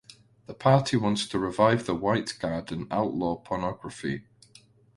The party wants to revive the White Guard and outlaw pornography.